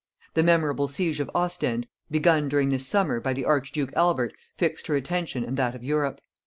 The memorable siege of Ostend, begun during this summer by the archduke Albert, fixed her attention and that of Europe.